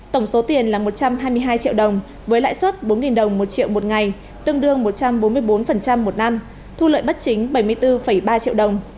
tổng số tiền là một trăm hai mươi hai triệu đồng với lãi suất bốn đồng một triệu một ngày tương đương một trăm bốn mươi bốn một năm thu lợi bất chính bảy mươi bốn ba triệu đồng